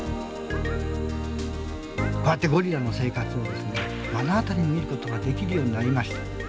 こうやってゴリラの生活を目の当たりに見ることができるようになりました。